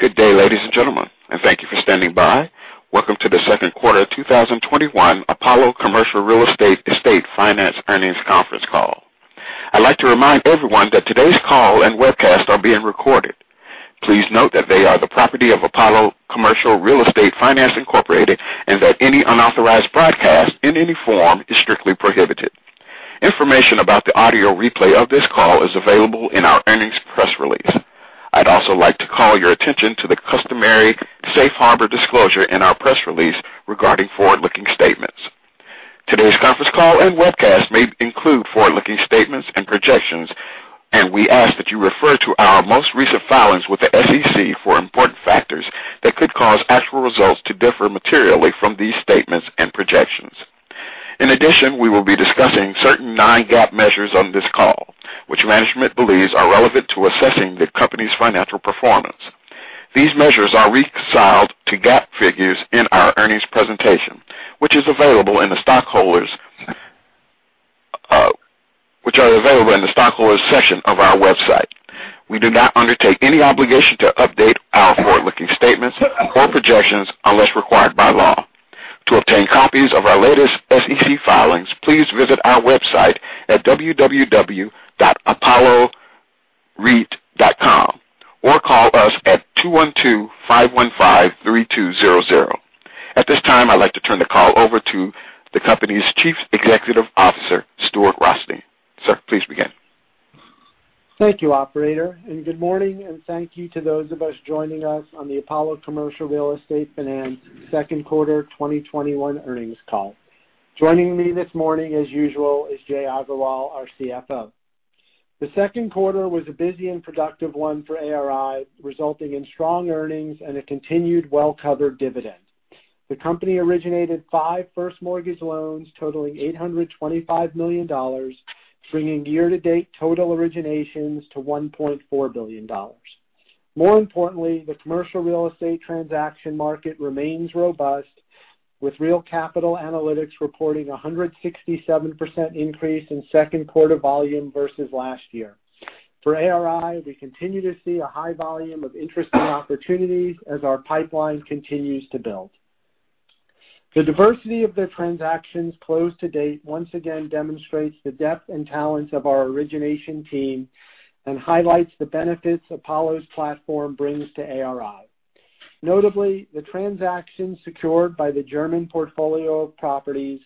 Good day, ladies and gentlemen, and thank you for standing by. Welcome to the second quarter 2021 Apollo Commercial Real Estate Finance Earnings Conference Call. I'd like to remind everyone that today's call and webcast are being recorded. Please note that they are the property of Apollo Commercial Real Estate Finance, Inc., and that any unauthorized broadcast in any form is strictly prohibited. Information about the audio replay of this call is available in our earnings press release. I'd also like to call your attention to the customary safe harbor disclosure in our press release regarding forward-looking statements. Today's conference call and webcast may include forward-looking statements and projections, and we ask that you refer to our most recent filings with the SEC for important factors that could cause actual results to differ materially from these statements and projections. In addition, we will be discussing certain non-GAAP measures on this call, which management believes are relevant to assessing the company's financial performance. These measures are reconciled to GAAP figures in our earnings presentation, which are available in the Shareholders section of our website. We do not undertake any obligation to update our forward-looking statements or projections unless required by law. To obtain copies of our latest SEC filings, please visit our website at www.apolloreit.com or call us at 212-515-3200. At this time, I'd like to turn the call over to the company's Chief Executive Officer, Stuart Rothstein. Sir, please begin. Thank you, operator, and good morning, and thank you to those of us joining us on the Apollo Commercial Real Estate Finance second quarter 2021 earnings call. Joining me this morning, as usual, is Jai Agarwal, our CFO. The second quarter was a busy and productive one for ARI, resulting in strong earnings and a continued well-covered dividend. The company originated five first mortgage loans totaling $825 million, bringing year-to-date total originations to $1.4 billion. More importantly, the commercial real estate transaction market remains robust, with Real Capital Analytics reporting 167% increase in second quarter volume versus last year. For ARI, we continue to see a high volume of interesting opportunities as our pipeline continues to build. The diversity of the transactions closed to date once again demonstrates the depth and talents of our origination team and highlights the benefits Apollo's platform brings to ARI. Notably, the transactions secured by the German portfolio of properties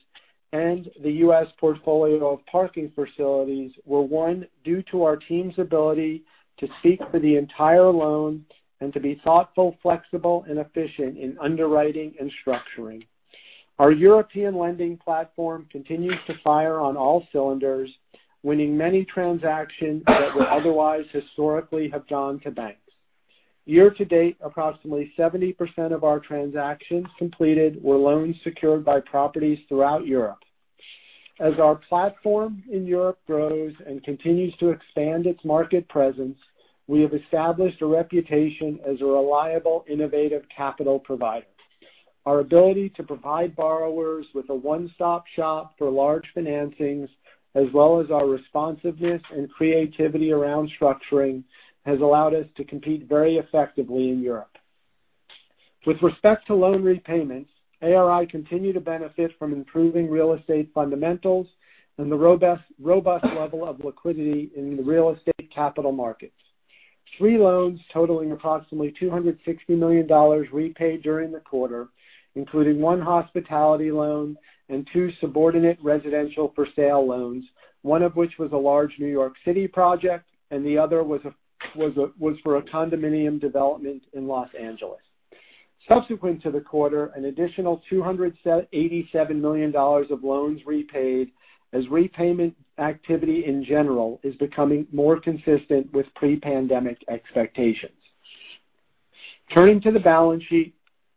and the U.S. portfolio of parking facilities were won due to our team's ability to seek for the entire loan and to be thoughtful, flexible and efficient in underwriting and structuring. Our European lending platform continues to fire on all cylinders, winning many transactions that would otherwise historically have gone to banks. Year to date, approximately 70% of our transactions completed were loans secured by properties throughout Europe. As our platform in Europe grows and continues to expand its market presence, we have established a reputation as a reliable, innovative capital provider. Our ability to provide borrowers with a one-stop shop for large financings, as well as our responsiveness and creativity around structuring, has allowed us to compete very effectively in Europe. With respect to loan repayments, ARI continue to benefit from improving real estate fundamentals and the robust level of liquidity in the real estate capital markets. Three loans totaling approximately $260 million repaid during the quarter, including one hospitality loan and two subordinate residential for sale loans, one of which was a large New York City project, and the other was for a condominium development in Los Angeles. Subsequent to the quarter, an additional $287 million of loans repaid as repayment activity in general is becoming more consistent with pre-pandemic expectations. Turning to the balance sheet,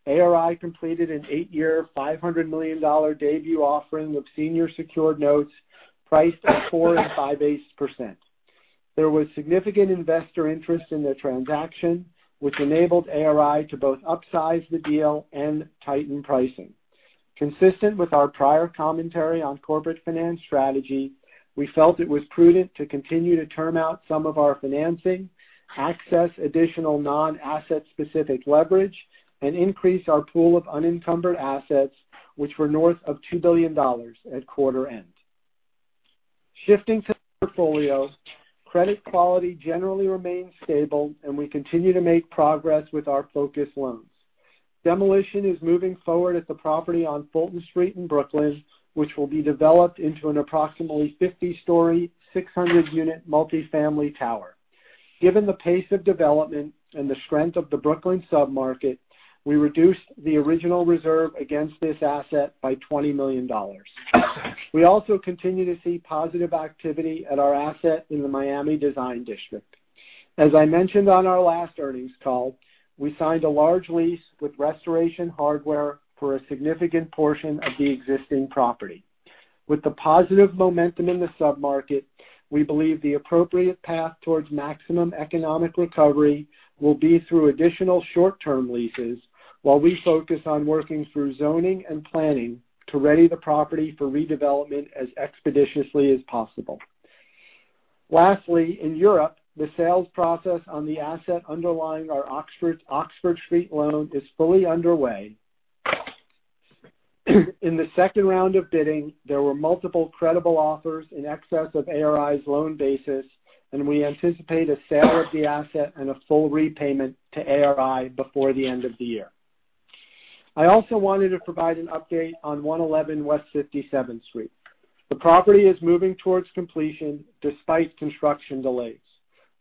ARI completed an eight-year, $500 million debut offering of senior secured notes priced at 4.85%. There was significant investor interest in the transaction, which enabled ARI to both upsize the deal and tighten pricing. Consistent with our prior commentary on corporate finance strategy, we felt it was prudent to continue to term out some of our financing, access additional non-asset-specific leverage, and increase our pool of unencumbered assets, which were north of $2 billion at quarter end. Shifting to portfolio. Credit quality generally remains stable, and we continue to make progress with our focus loans. Demolition is moving forward at the property on Fulton Street in Brooklyn, which will be developed into an approximately 50-story, 600-unit multi-family tower. Given the pace of development and the strength of the Brooklyn submarket, we reduced the original reserve against this asset by $20 million. We also continue to see positive activity at our asset in the Miami Design District. As I mentioned on our last earnings call, we signed a large lease with Restoration Hardware for a significant portion of the existing property. With the positive momentum in the submarket, we believe the appropriate path towards maximum economic recovery will be through additional short-term leases while we focus on working through zoning and planning to ready the property for redevelopment as expeditiously as possible. Lastly, in Europe, the sales process on the asset underlying our Oxford Street loan is fully underway. In the second round of bidding, there were multiple credible offers in excess of ARI's loan basis, and we anticipate a sale of the asset and a full repayment to ARI before the end of the year. I also wanted to provide an update on 111 West 57th Street. The property is moving towards completion despite construction delays.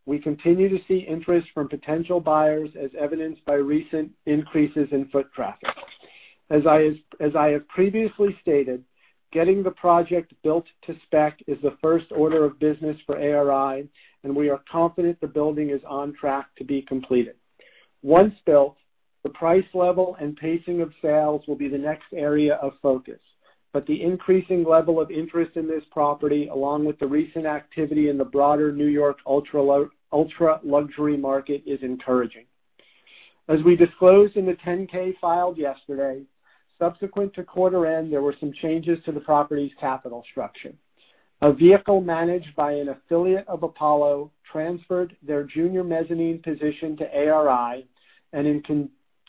We continue to see interest from potential buyers, as evidenced by recent increases in foot traffic. As I have previously stated, getting the project built to spec is the first order of business for ARI, we are confident the building is on track to be completed. Once built, the price level and pacing of sales will be the next area of focus. The increasing level of interest in this property, along with the recent activity in the broader New York ultra-luxury market, is encouraging. As we disclosed in the 10-K filed yesterday, subsequent to quarter end, there were some changes to the property's capital structure. A vehicle managed by an affiliate of Apollo transferred their junior mezzanine position to ARI, and in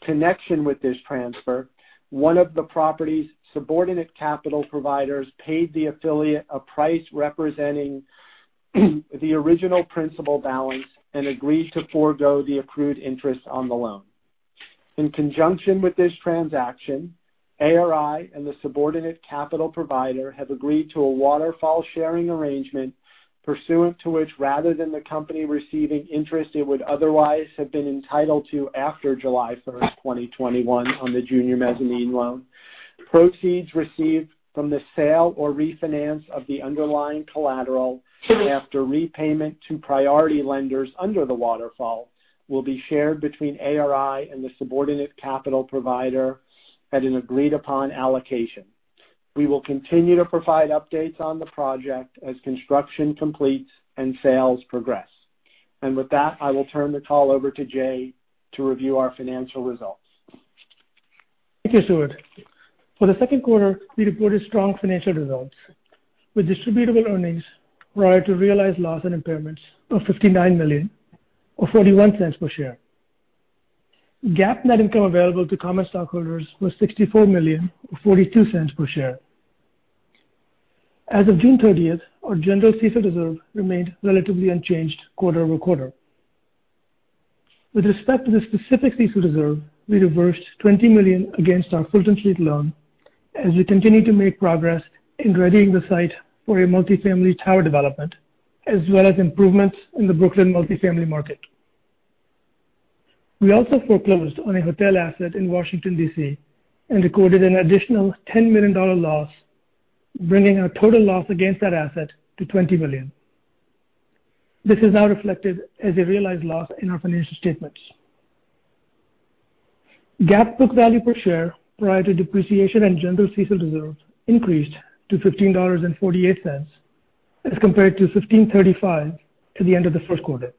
connection with this transfer, one of the property's subordinate capital providers paid the affiliate a price representing the original principal balance and agreed to forego the accrued interest on the loan. In conjunction with this transaction, ARI and the subordinate capital provider have agreed to a waterfall sharing arrangement pursuant to which, rather than the company receiving interest it would otherwise have been entitled to after July 1st, 2021 on the junior mezzanine loan, proceeds received from the sale or refinance of the underlying collateral after repayment to priority lenders under the waterfall will be shared between ARI and the subordinate capital provider at an agreed-upon allocation. We will continue to provide updates on the project as construction completes and sales progress. With that, I will turn the call over to Jai to review our financial results. Thank you, Stuart. For the second quarter, we reported strong financial results with Distributable Earnings prior to realized loss and impairments of $59 million or $0.41 per share. GAAP net income available to common stockholders was $64 million or $0.42 per share. As of June 30th, our general CECL reserve remained relatively unchanged quarter-over-quarter. With respect to the specific CECL reserve, we reversed $20 million against our Fulton Street loan as we continue to make progress in readying the site for a multi-family tower development as well as improvements in the Brooklyn multi-family market. We also foreclosed on a hotel asset in Washington, D.C. and recorded an additional $10 million loss, bringing our total loss against that asset to $20 million. This is now reflected as a realized loss in our financial statements. GAAP book value per share, prior to depreciation and general CECL reserves, increased to $15.48 as compared to $15.35 at the end of the first quarter.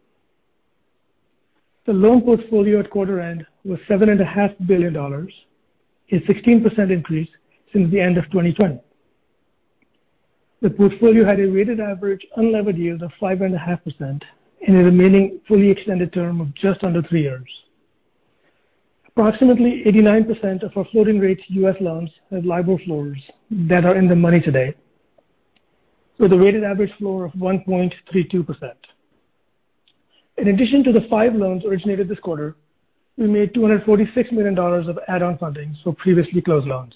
The loan portfolio at quarter end was $7.5 billion, a 16% increase since the end of 2020. The portfolio had a weighted average unlevered yield of 5.5% and a remaining fully extended term of just under three years. Approximately 89% of our floating rate U.S. loans have LIBOR floors that are in the money today with a weighted average floor of 1.32%. In addition to the five loans originated this quarter, we made $246 million of add-on funding for previously closed loans.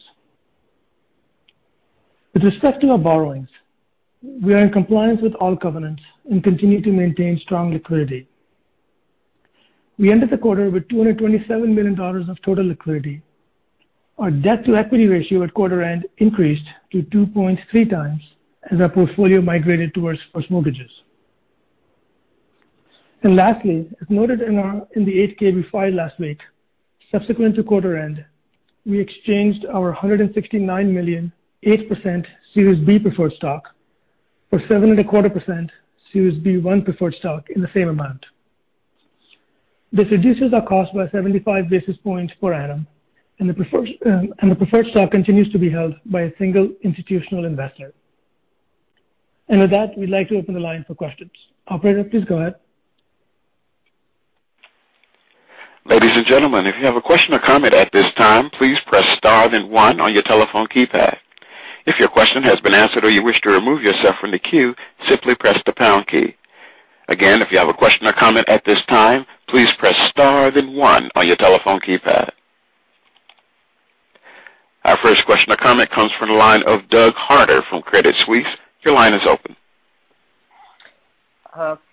With respect to our borrowings, we are in compliance with all covenants and continue to maintain strong liquidity. We ended the quarter with $227 million of total liquidity. Our debt-to-equity ratio at quarter end increased to 2.3x as our portfolio migrated towards first mortgages. Lastly, as noted in the 8-K we filed last week, subsequent to quarter end, we exchanged our $169 million 8% Series B preferred stock for 7.25% Series B-1 preferred stock in the same amount. This reduces our cost by 75 basis points per annum, and the preferred stock continues to be held by a single institutional investor. With that, we'd like to open the line for questions. Operator, please go ahead. Ladies and gentlemen, if you have a question or comment at this time, please press star then one on your telephone keypad. If your question has been answered or you wish to remove yourself from the queue, simply press the pound key. Again, if you have a question or comment at this time, please press star then one on your telephone keypad. Our first question or comment comes from the line of Doug Harter from Credit Suisse. Your line is open.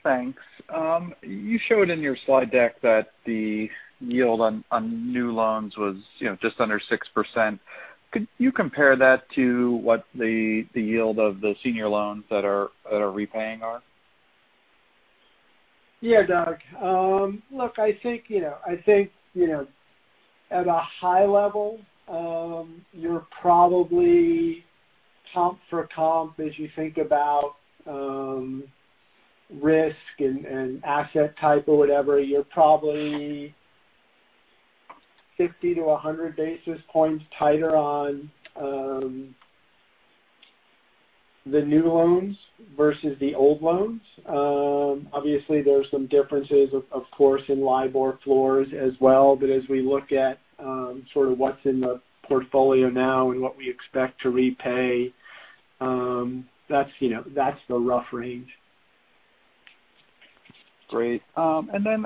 Thanks. You showed in your slide deck that the yield on new loans was just under 6%. Could you compare that to what the yield of the senior loans that are repaying are? Yeah, Doug. Look, I think at a high level, you are probably comp for comp as you think about risk and asset type or whatever. You are probably 50 basis points-100 basis points tighter on the new loans versus the old loans. Obviously, there are some differences, of course, in LIBOR floors as well. As we look at sort of what is in the portfolio now and what we expect to repay, that is the rough range. Great. I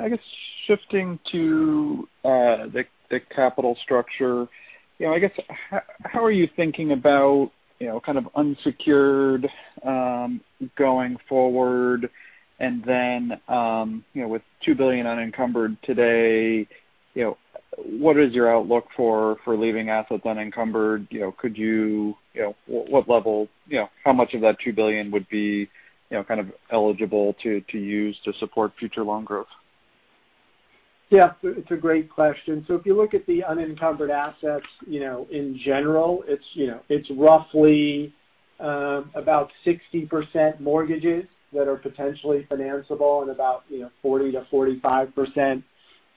guess shifting to the capital structure, how are you thinking about kind of unsecured going forward? With $2 billion unencumbered today, what is your outlook for leaving assets unencumbered? How much of that $2 billion would be eligible to use to support future loan growth? Yeah, it's a great question. If you look at the unencumbered assets in general, it's roughly about 60% mortgages that are potentially financeable and about 40%-45%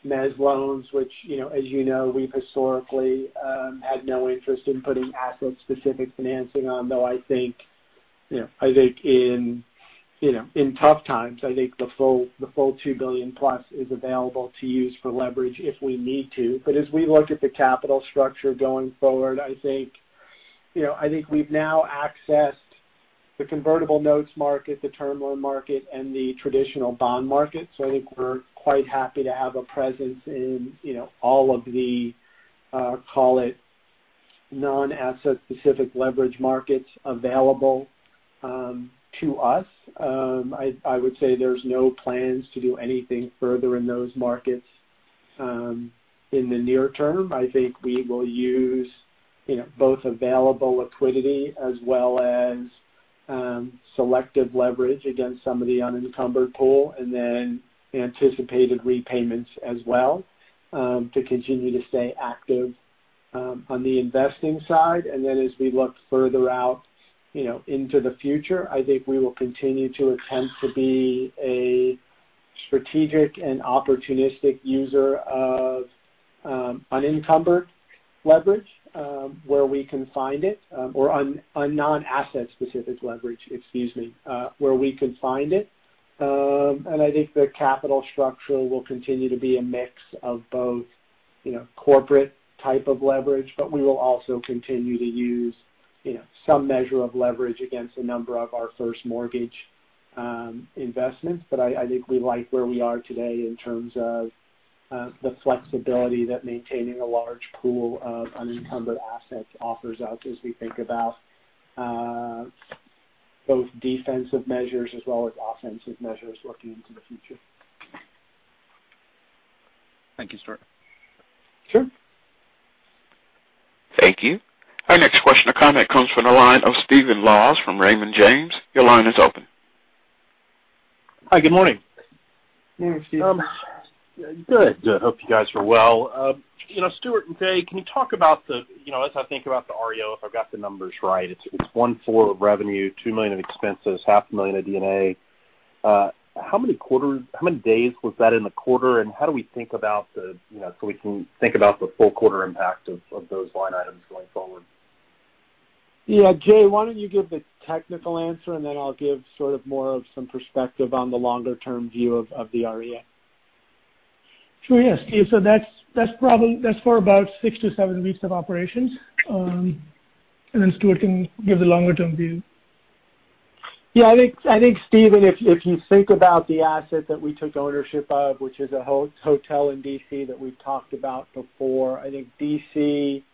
mezz loans, which as you know, we've historically had no interest in putting asset-specific financing on, though I think in tough times, I think the full $2+ billion is available to use for leverage if we need to. As we look at the capital structure going forward, I think we've now accessed the convertible notes market, the term loan market, and the traditional bond market. I think we're quite happy to have a presence in all of the, call it non-asset-specific leverage markets available to us. I would say there's no plans to do anything further in those markets in the near term. I think we will use both available liquidity as well as selective leverage against some of the unencumbered pool, and then anticipated repayments as well to continue to stay active on the investing side. Then as we look further out into the future, I think we will continue to attempt to be a strategic and opportunistic user of unencumbered leverage where we can find it or a non-asset-specific leverage, excuse me, where we can find it. I think the capital structure will continue to be a mix of both corporate type of leverage, but we will also continue to use some measure of leverage against a number of our first mortgage investments. I think we like where we are today in terms of the flexibility that maintaining a large pool of unencumbered assets offers us as we think about both defensive measures as well as offensive measures looking into the future. Thank you, Stuart. Sure. Thank you. Our next question or comment comes from the line of Stephen Laws from Raymond James. Your line is open. Hi, good morning. Good morning, Steve. Good. Hope you guys are well. Stuart and Jai, can you talk about as I think about the REO, if I've got the numbers right, it's $1.4 of revenue, $2 million of expenses, half a million of D&A. How many days was that in the quarter, and how do we think about so we can think about the full quarter impact of those line items going forward? Yeah. Jai, why don't you give the technical answer, and then I'll give sort of more of some perspective on the longer-term view of the REO. Sure. Yeah, Steve. That's for about six to seven weeks of operations. Stuart can give the longer-term view. Yeah. I think, Stephen, if you think about the asset that we took ownership of, which is a hotel in D.C. that we've talked about before, I think D.C.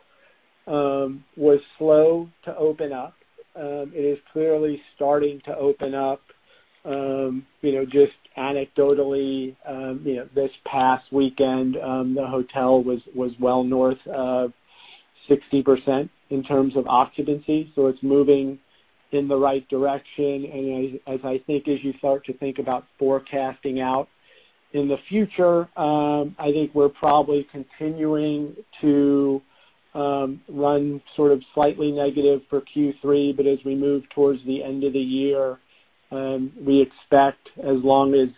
was slow to open up. It is clearly starting to open up. Just anecdotally, this past weekend, the hotel was well north of 60% in terms of occupancy, so it's moving in the right direction. As I think as you start to think about forecasting out in the future, I think we're probably continuing to run sort of slightly negative for Q3. As we move towards the end of the year, we expect as long as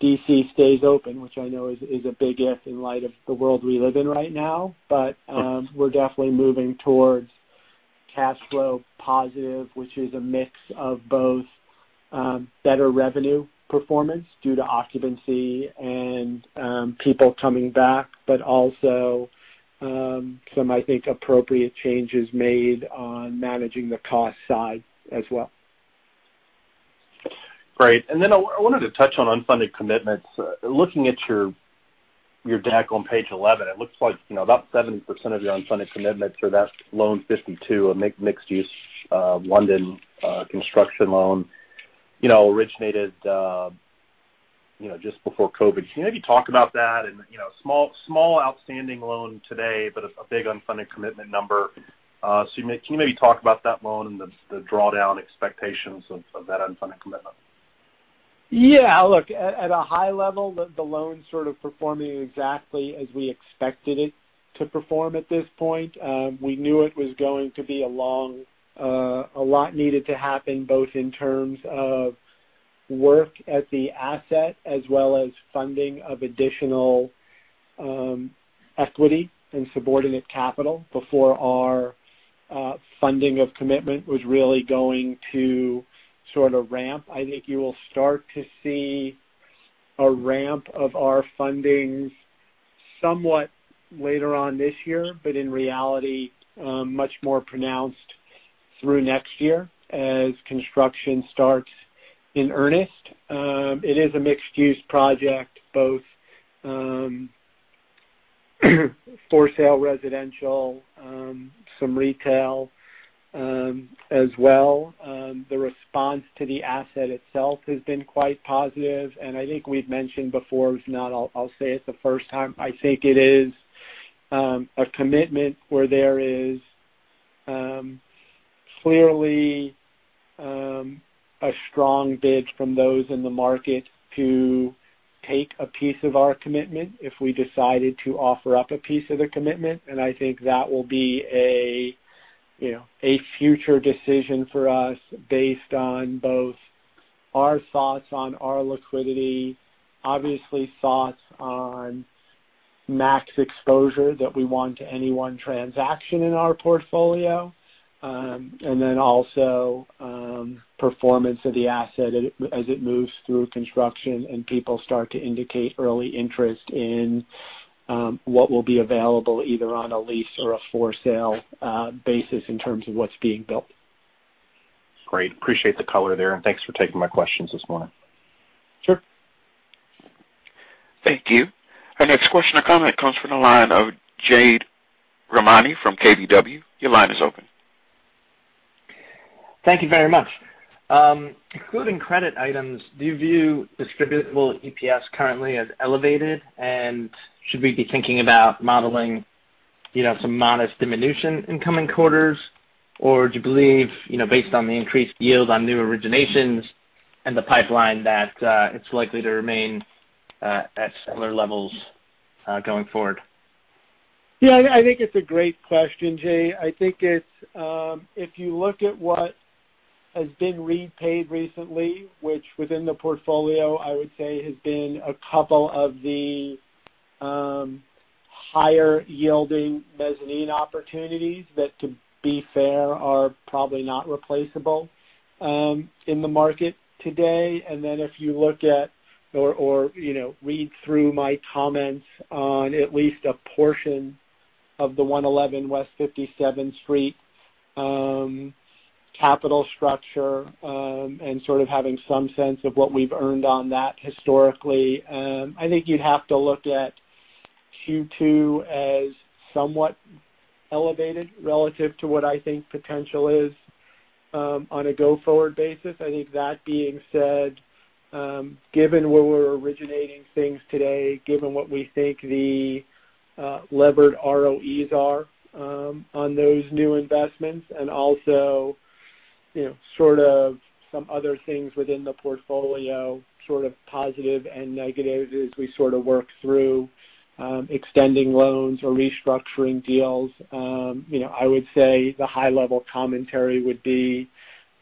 D.C. stays open, which I know is a big if in light of the world we live in right now. We're definitely moving towards cash flow positive, which is a mix of both better revenue performance due to occupancy and people coming back, but also some, I think, appropriate changes made on managing the cost side as well. Great. I wanted to touch on unfunded commitments. Looking at your deck on page 11, it looks like about 70% of your unfunded commitments are that loan 52, a mixed-use London construction loan originated just before COVID. Can you maybe talk about that? Small outstanding loan today, but a big unfunded commitment number. Can you maybe talk about that loan and the drawdown expectations of that unfunded commitment? Yeah, look. At a high level, the loan's sort of performing exactly as we expected it to perform at this point. We knew a lot needed to happen, both in terms of work at the asset, as well as funding of additional equity and subordinate capital before our funding of commitment was really going to sort of ramp. I think you will start to see a ramp of our fundings somewhat later on this year. In reality, much more pronounced through next year as construction starts in earnest. It is a mixed-use project, both for sale residential, some retail as well. The response to the asset itself has been quite positive. I think we've mentioned before, if not, I'll say it the first time, I think it is a commitment where there is clearly a strong bid from those in the market to take a piece of our commitment if we decided to offer up a piece of the commitment. I think that will be a future decision for us based on both our thoughts on our liquidity, obviously thoughts on max exposure that we want to any one transaction in our portfolio. Also, performance of the asset as it moves through construction and people start to indicate early interest in what will be available either on a lease or a for sale basis in terms of what's being built. Great. Appreciate the color there, and thanks for taking my questions this morning. Sure. Thank you. Our next question or comment comes from the line of Jade Rahmani from KBW. Your line is open. Thank you very much. Including credit items, do you view Distributable EPS currently as elevated? Should we be thinking about modeling some modest diminution in coming quarters? Do you believe, based on the increased yield on new originations and the pipeline, that it's likely to remain at similar levels going forward? Yeah, I think it's a great question, Jade. I think if you look at what has been repaid recently, which within the portfolio, I would say has been a couple of the higher-yielding mezzanine opportunities that, to be fair, are probably not replaceable in the market today. If you look at or read through my comments on at least a portion of the 111 West 57th Street capital structure, and sort of having some sense of what we've earned on that historically, I think you'd have to look at Q2 as somewhat elevated relative to what I think potential is on a go-forward basis. I think that being said, given where we're originating things today, given what we think the levered ROEs are on those new investments, and also some other things within the portfolio, sort of positive and negatives as we sort of work through extending loans or restructuring deals. I would say the high-level commentary would be,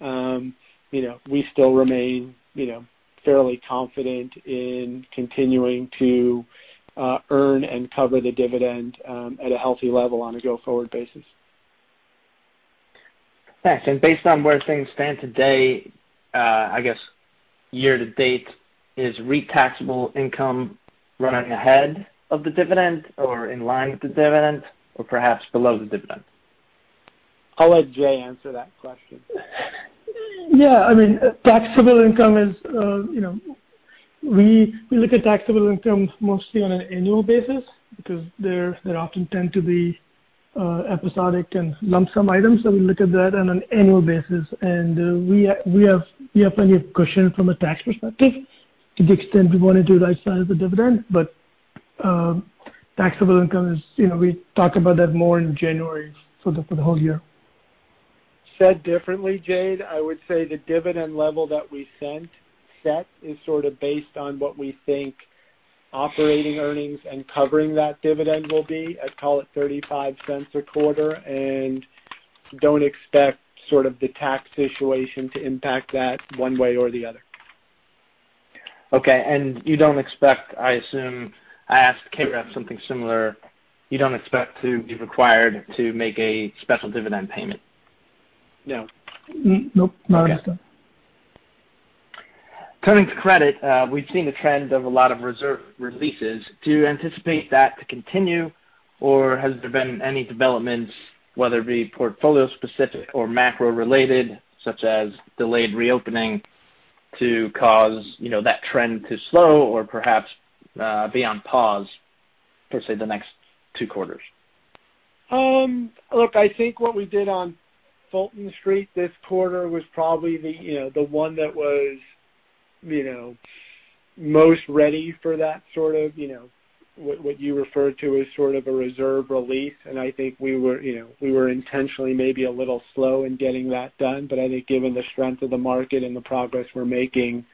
we still remain fairly confident in continuing to earn and cover the dividend at a healthy level on a go-forward basis. Thanks. Based on where things stand today, I guess year to date, is REIT taxable income running ahead of the dividend or in line with the dividend, or perhaps below the dividend? I'll let Jai answer that question. Yeah. We look at taxable income mostly on an annual basis because they often tend to be episodic and lump-sum items. We look at that on an annual basis. We have plenty of cushion from a tax perspective to the extent we want to do right-size the dividend. Taxable income, we talk about that more in January for the whole year. Said differently, Jade, I would say the dividend level that we set is sort of based on what we think operating earnings and covering that dividend will be at, call it, $0.35 a quarter, and don't expect sort of the tax situation to impact that one way or the other. Okay. You don't expect, I assume, I asked Stuart something similar, you don't expect to be required to make a special dividend payment? No. Nope. Not at this time. Turning to credit, we've seen a trend of a lot of reserve releases. Do you anticipate that to continue, or has there been any developments, whether it be portfolio specific or macro related, such as delayed reopening to cause that trend to slow or perhaps be on pause for, say, the next two quarters? Look, I think what we did on Fulton Street this quarter was probably the one that was most ready for what you referred to as sort of a reserve release. I think we were intentionally maybe a little slow in getting that done. I think given the strength of the market and the progress we're making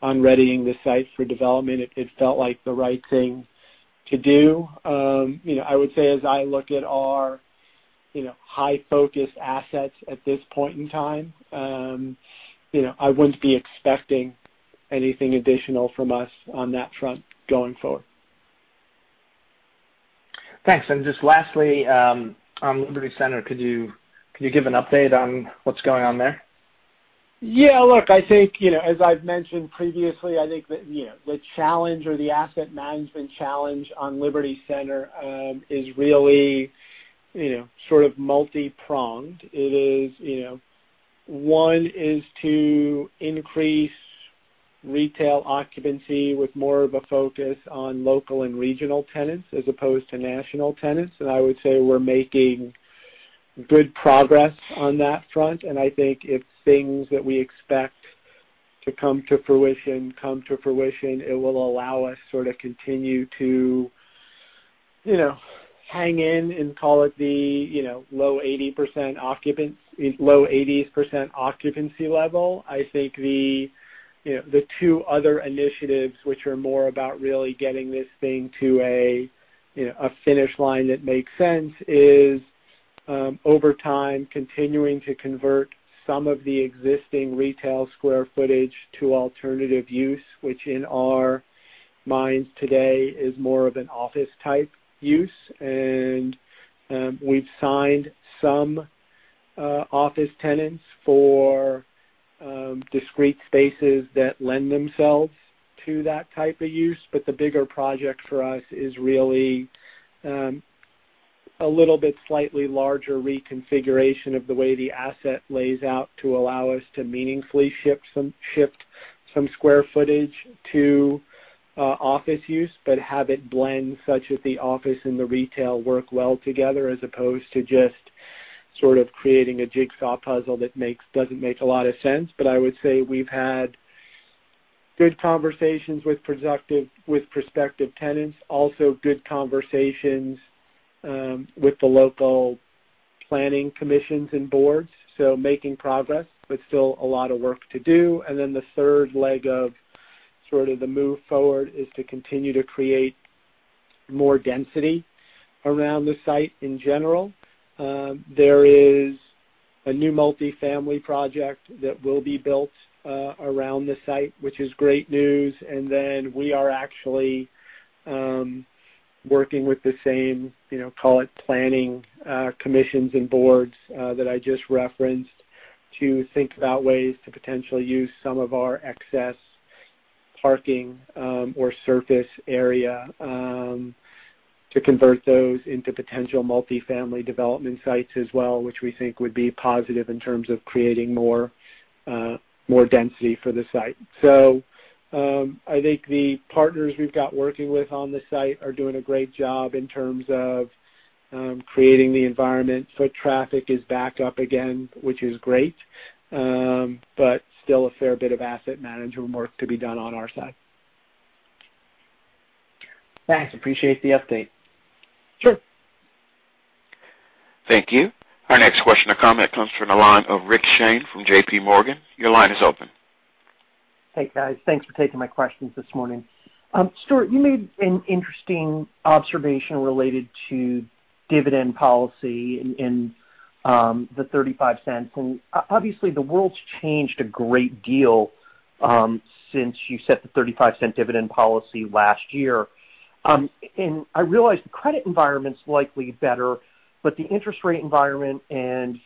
on readying the site for development, it felt like the right thing to do. I would say, as I look at our high focus assets at this point in time. I wouldn't be expecting anything additional from us on that front going forward. Thanks. Just lastly, on Liberty Center, could you give an update on what's going on there? Look, as I've mentioned previously, I think that the challenge or the asset management challenge on Liberty Center is really sort of multi-pronged. One is to increase retail occupancy with more of a focus on local and regional tenants as opposed to national tenants. I would say we're making good progress on that front, I think if things that we expect to come to fruition, come to fruition, it will allow us sort of continue to hang in and call it the low 80%s occupancy level. I think the two other initiatives, which are more about really getting this thing to a finish line that makes sense is, over time, continuing to convert some of the existing retail square footage to alternative use, which in our minds today is more of an office type use. We've signed some office tenants for discrete spaces that lend themselves to that type of use. The bigger project for us is really a little bit slightly larger reconfiguration of the way the asset lays out to allow us to meaningfully shift some square footage to office use, but have it blend such that the office and the retail work well together as opposed to just sort of creating a jigsaw puzzle that doesn't make a lot of sense. I would say we've had good conversations with prospective tenants, also good conversations with the local planning commissions and boards. Making progress, but still a lot of work to do. The third leg of sort of the move forward is to continue to create more density around the site in general. There is a new multi-family project that will be built around the site, which is great news. We are actually working with the same call it planning commissions and boards that I just referenced, to think about ways to potentially use some of our excess parking or surface area to convert those into potential multi-family development sites as well, which we think would be positive in terms of creating more density for the site. I think the partners we've got working with on the site are doing a great job in terms of creating the environment. Foot traffic is back up again, which is great, but still a fair bit of asset management work to be done on our side. Thanks. Appreciate the update. Sure. Thank you. Our next question or comment comes from the line of Rich Shane from JPMorgan. Your line is open. Hey, guys. Thanks for taking my questions this morning. Stuart, you made an interesting observation related to dividend policy in the $0.35. Obviously the world's changed a great deal since you set the $0.35 dividend policy last year. I realize the credit environment's likely better, but the interest rate environment is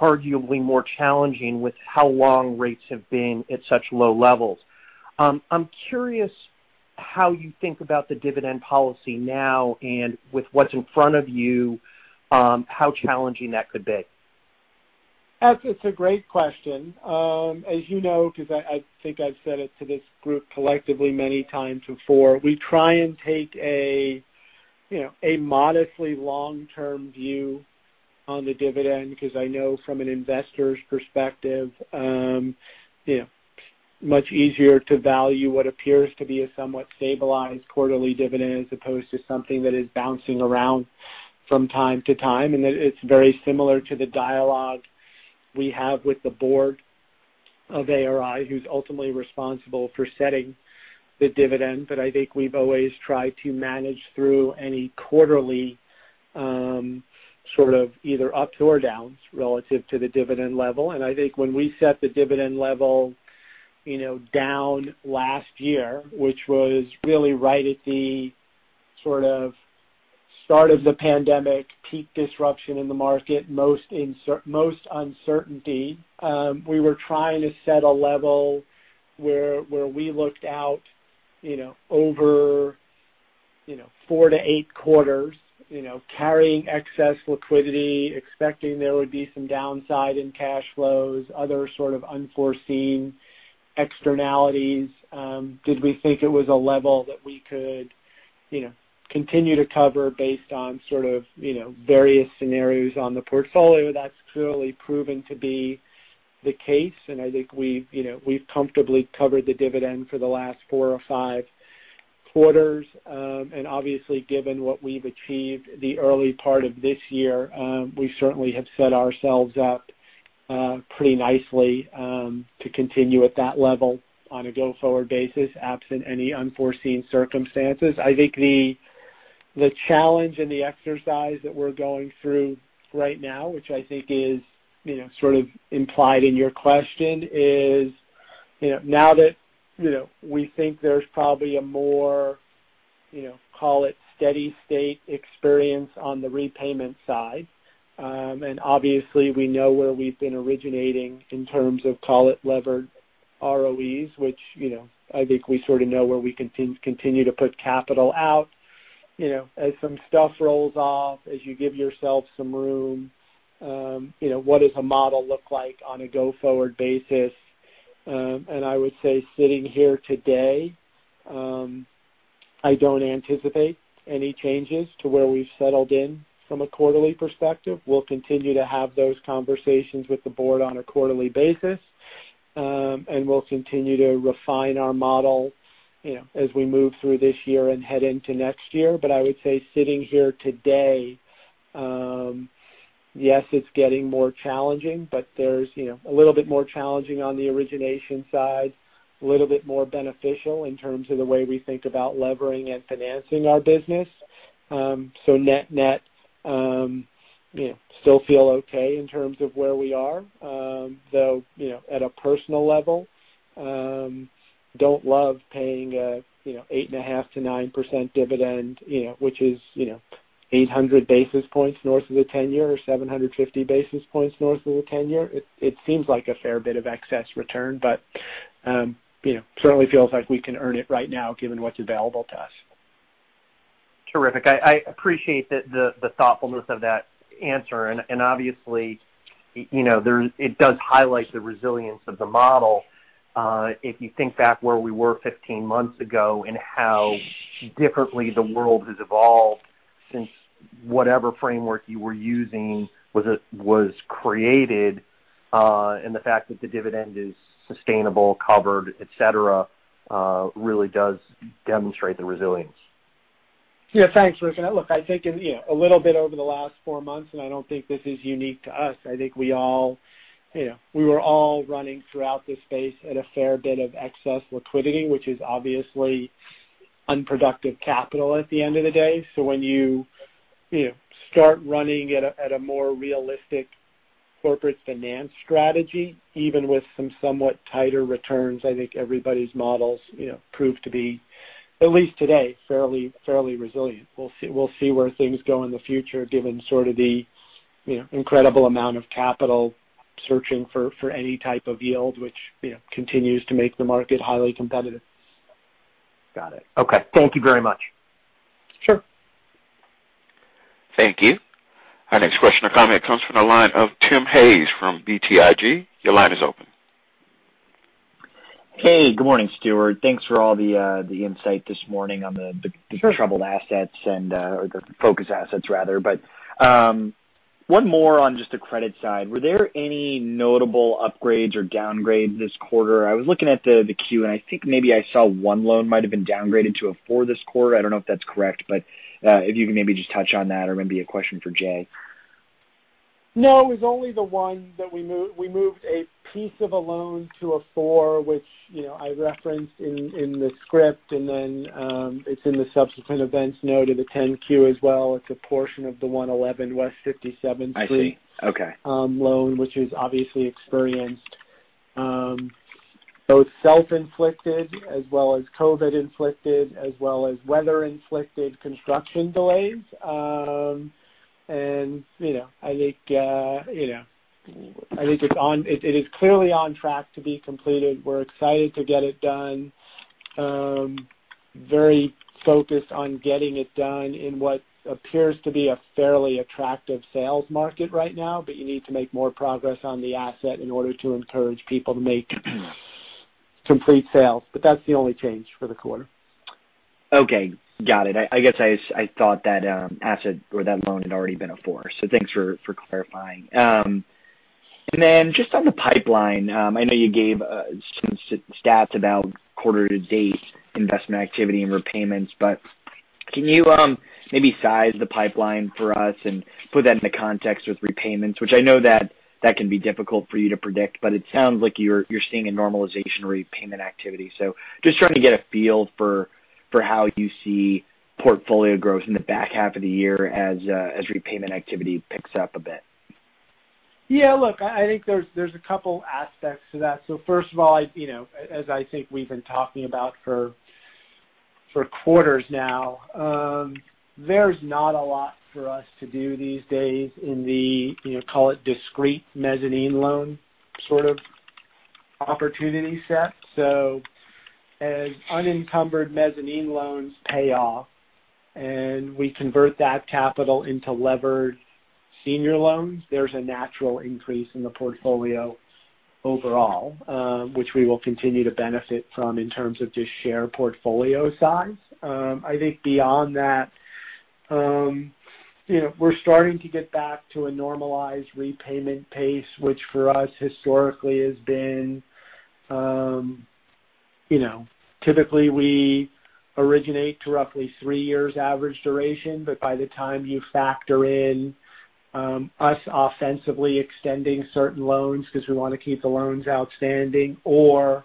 arguably more challenging with how long rates have been at such low levels. I'm curious how you think about the dividend policy now and with what's in front of you, how challenging that could be. It's a great question. As you know, because I think I've said it to this group collectively many times before, we try and take a modestly long-term view on the dividend because I know from an investor's perspective, much easier to value what appears to be a somewhat stabilized quarterly dividend as opposed to something that is bouncing around from time to time. It's very similar to the dialogue we have with the board of ARI, who's ultimately responsible for setting the dividend. I think we've always tried to manage through any quarterly sort of either ups or downs relative to the dividend level. I think when we set the dividend level down last year, which was really right at the sort of start of the pandemic, peak disruption in the market, most uncertainty, we were trying to set a level where we looked out over four to eight quarters, carrying excess liquidity, expecting there would be some downside in cash flows, other sort of unforeseen externalities. Did we think it was a level that we could continue to cover based on sort of various scenarios on the portfolio? That's clearly proven to be the case, and I think we've comfortably covered the dividend for the last four or five quarters. Obviously given what we've achieved the early part of this year, we certainly have set ourselves up pretty nicely to continue at that level on a go-forward basis, absent any unforeseen circumstances. I think the challenge and the exercise that we're going through right now, which I think is sort of implied in your question, is now that we think there's probably a more, call it steady state experience on the repayment side. Obviously we know where we've been originating in terms of, call it levered ROEs, which I think we sort of know where we continue to put capital out. As some stuff rolls off, as you give yourself some room, what does a model look like on a go-forward basis? I would say, sitting here today, I don't anticipate any changes to where we've settled in from a quarterly perspective. We'll continue to have those conversations with the board on a quarterly basis. We'll continue to refine our model as we move through this year and head into next year. I would say, sitting here today, yes, it's getting more challenging. There's a little bit more challenging on the origination side, a little bit more beneficial in terms of the way we think about levering and financing our business. Net net, still feel okay in terms of where we are. Though at a personal level, don't love paying an 8.5%-9% dividend which is 800 basis points north of the 10-year or 750 basis points north of the 10-year. It seems like a fair bit of excess return, but certainly feels like we can earn it right now given what's available to us. Terrific. I appreciate the thoughtfulness of that answer. Obviously, it does highlight the resilience of the model. If you think back where we were 15 months ago and how differently the world has evolved since whatever framework you were using was created, and the fact that the dividend is sustainable, covered, et cetera really does demonstrate the resilience. Yeah, thanks, Rich. Look, I think a little bit over the last four months, and I don't think this is unique to us, I think we were all running throughout this space at a fair bit of excess liquidity, which is obviously unproductive capital at the end of the day. When you start running at a more realistic corporate finance strategy, even with some somewhat tighter returns, I think everybody's models prove to be, at least today, fairly resilient. We'll see where things go in the future, given sort of the incredible amount of capital searching for any type of yield, which continues to make the market highly competitive. Got it. Okay. Thank you very much. Sure. Thank you. Our next question or comment comes from the line of Tim Hayes from BTIG. Your line is open. Hey, good morning, Stuart. Thanks for all the insight this morning. Sure troubled assets or the focus assets rather. One more on just the credit side. Were there any notable upgrades or downgrades this quarter? I was looking at the 10-Q, and I think maybe I saw one loan might've been downgraded to a four this quarter. I don't know if that's correct, but if you can maybe just touch on that, or maybe a question for Jai. No, it was only the one that we moved a piece of a loan to a four, which I referenced in the script, and then it's in the subsequent events note of the 10-Q as well. It's a portion of the 111 West 57th Street. I see. Okay. loan, which has obviously experienced both self-inflicted as well as COVID-inflicted, as well as weather-inflicted construction delays. I think it is clearly on track to be completed. We're excited to get it done. Very focused on getting it done in what appears to be a fairly attractive sales market right now, but you need to make more progress on the asset in order to encourage people to make complete sales. That's the only change for the quarter. Okay. Got it. I guess I thought that asset or that loan had already been a four, so thanks for clarifying. Just on the pipeline, I know you gave some stats about quarter-to-date investment activity and repayments. Can you maybe size the pipeline for us and put that into context with repayments? Which I know that can be difficult for you to predict, but it sounds like you're seeing a normalization repayment activity. Just trying to get a feel for how you see portfolio growth in the back half of the year as repayment activity picks up a bit. Look, I think there's a couple aspects to that. First of all, as I think we've been talking about for quarters now, there's not a lot for us to do these days in the call it discrete mezzanine loan sort of opportunity set. As unencumbered mezzanine loans pay off and we convert that capital into levered senior loans, there's a natural increase in the portfolio overall, which we will continue to benefit from in terms of just share portfolio size. I think beyond that, we're starting to get back to a normalized repayment pace, which for us historically has been. Typically, we originate to roughly three years average duration, but by the time you factor in us offensively extending certain loans because we want to keep the loans outstanding or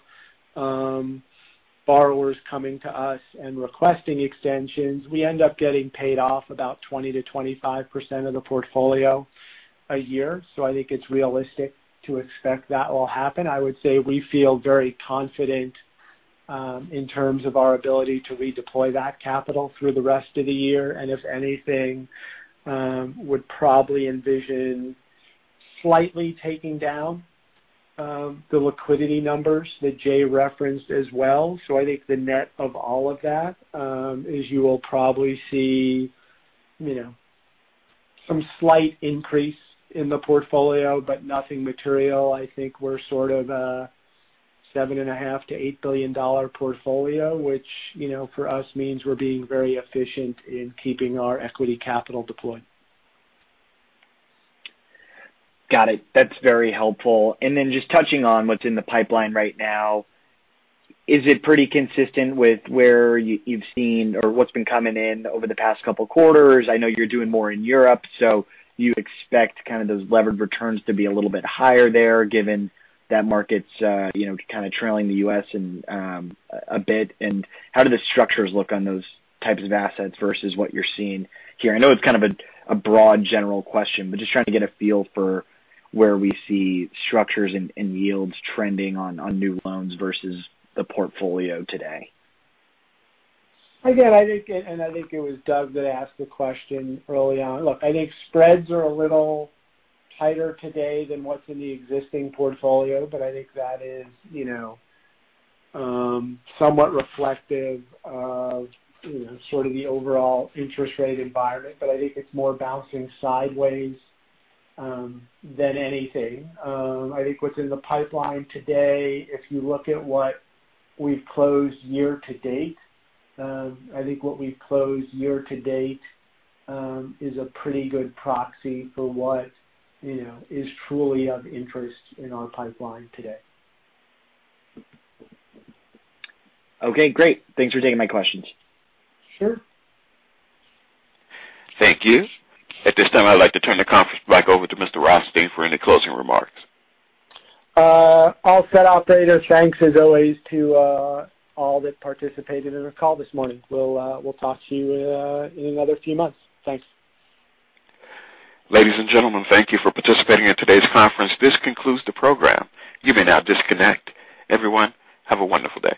borrowers coming to us and requesting extensions, we end up getting paid off about 20%-25% of the portfolio a year. I think it's realistic to expect that will happen. I would say we feel very confident in terms of our ability to redeploy that capital through the rest of the year. If anything, would probably envision slightly taking down the liquidity numbers that Jai referenced as well. I think the net of all of that is you will probably see some slight increase in the portfolio, but nothing material. I think we're sort of a $7.5 billion-$8 billion portfolio, which for us means we're being very efficient in keeping our equity capital deployed. Got it. That's very helpful. Then just touching on what's in the pipeline right now, is it pretty consistent with where you've seen or what's been coming in over the past couple quarters? I know you're doing more in Europe, so you expect those levered returns to be a little bit higher there, given that market's trailing the U.S. a bit. How do the structures look on those types of assets versus what you're seeing here? I know it's kind of a broad general question, but just trying to get a feel for where we see structures and yields trending on new loans versus the portfolio today. I think, and I think it was Doug that asked the question early on. I think spreads are a little tighter today than what's in the existing portfolio, but I think that is somewhat reflective of sort of the overall interest rate environment. I think it's more bouncing sideways than anything. I think what's in the pipeline today, if you look at what we've closed year to date, I think what we've closed year to date is a pretty good proxy for what is truly of interest in our pipeline today. Okay, great. Thanks for taking my questions. Sure. Thank you. At this time, I'd like to turn the conference back over to Mr. Rothstein for any closing remarks. All set, Operator. Thanks as always to all that participated in our call this morning. We'll talk to you in another few months. Thanks. Ladies and gentlemen, thank you for participating in today's conference. This concludes the program. You may now disconnect. Everyone, have a wonderful day.